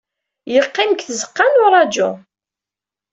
Yeqqim deg tzeqqa n uṛaǧu.